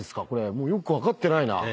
もうよく分かってないな。